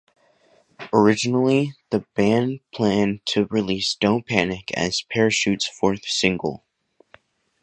Originally, the band planned to release "Don't Panic" as "Parachutes" fourth single.